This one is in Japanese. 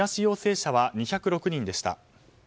陽性者は２０６人でした。